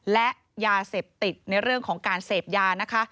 และยาเสพติดในเรื่องของการเสพยานะคะ